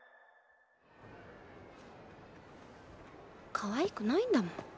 カワイくないんだもん。